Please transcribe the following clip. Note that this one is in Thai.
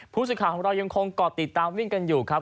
ผู้สื่อข่าวของเรายังคงก่อติดตามวิ่งกันอยู่ครับ